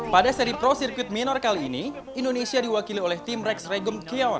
pada seri pro circuit minor kali ini indonesia diwakili oleh tim rex regum kios